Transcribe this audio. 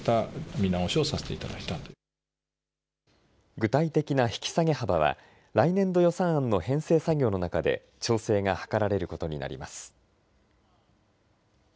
具体的な引き下げ幅は来年度予算案の編成作業の中で調整が図られることになります。